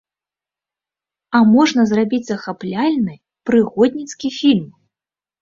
А можна зрабіць захапляльны, прыгодніцкі фільм.